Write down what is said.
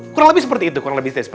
kurang lebih seperti itu